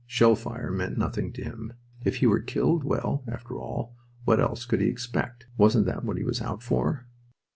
Shell fire meant nothing to him. If he were killed well, after all, what else could he expect? Wasn't that what he was out for?